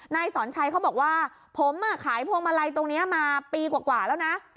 นายสอนชัยเขาบอกว่าผมขายพวงมาลัยตรงนี้มาปีกว่าแล้วนะ